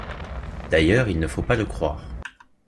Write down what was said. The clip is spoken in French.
D’ailleurs il ne faut pas le croire.